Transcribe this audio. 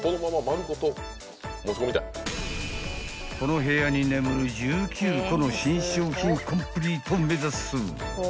［この部屋に眠る１９個の新商品コンプリートを目指す］